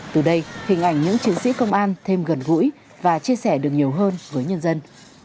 từ đây hình ảnh những chiến sĩ công an thêm gần gũi và chia sẻ được nhiều hơn với nhân dân